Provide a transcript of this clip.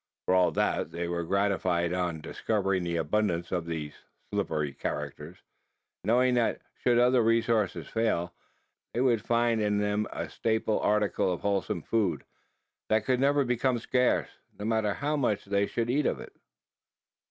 For all that, they were gratified on discovering the abundance of these slippery creatures knowing that, should other resources fail, they would find in them a staple article of wholesome food, that could never become scarce, no matter how much they should eat of it.